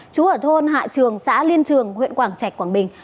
chú ở thôn hạ trường xã liên trường huyện quảng trạch quảng bình